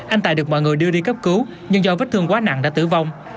anh tài được mọi người đưa đi cấp cứu nhưng do vết thương quá nặng đã tử vong